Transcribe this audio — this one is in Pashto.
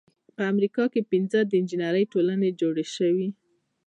په امریکا کې پنځه د انجینری ټولنې جوړې شوې.